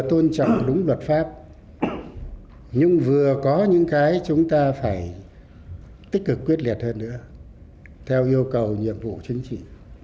tôn trọng đúng luật pháp nhưng vừa có những cái chúng ta phải tích cực quyết liệt hơn nữa theo yêu cầu nhiệm vụ chính trị